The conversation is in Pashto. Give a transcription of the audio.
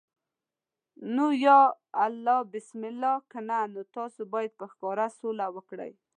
نو یا الله بسم الله، کنه نو تاسو باید په ښکاره سوله وکړئ.